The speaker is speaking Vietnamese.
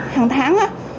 hàng tháng á